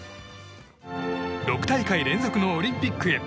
６大会連続のオリンピックへ。